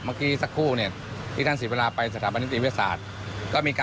ไปโรงพยาบาลการุณเวชก่อนนะคะ